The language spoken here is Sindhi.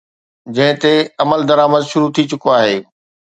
جنهن تي عملدرآمد شروع ٿي چڪو آهي.